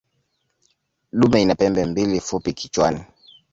Dume ina pembe mbili fupi kichwani.